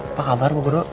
apa kabar bu guru